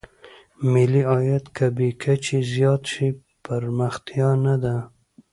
ملي عاید که بې کچې زیات شي پرمختیا نه ده.